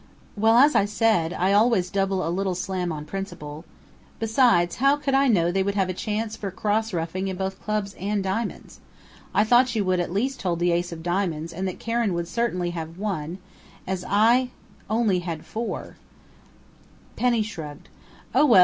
"Well, as I said, I always double a little slam on principle. Besides, how could I know they would have a chance for cross ruffing in both Clubs and Diamonds? I thought you would at least hold the Ace of Diamonds and that Karen would certainly have one, as I only had four " Penny shrugged. "Oh, well!